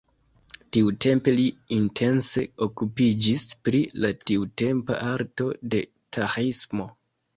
Tiutempe li intense okupiĝis pri la tiutempa arto de taĥismo.